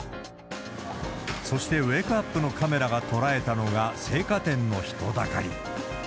そして、ウェークアップのカメラが捉えたのが、青果店の人だかり。